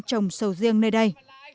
trồng sầu riêng nơi đây